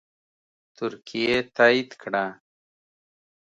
ترکیې تایید کړه